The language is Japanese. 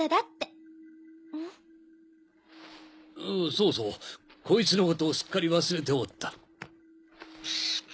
そうそうこいつのことをすっかり忘れておった。